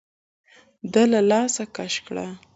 ده له لاسه کش کړه.